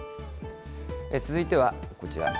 続いては、こちら。